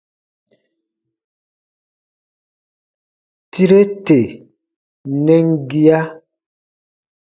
Tire tè nɛn gia.